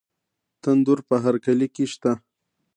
تندور په هر کلي کې شته.